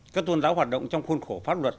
các tôn giáo hoạt động trong khuôn khổ pháp luật